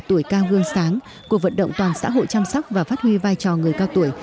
tuổi cao gương sáng cuộc vận động toàn xã hội chăm sóc và phát huy vai trò người cao tuổi